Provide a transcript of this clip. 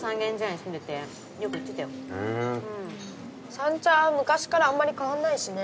三茶は昔からあんまり変わんないしね。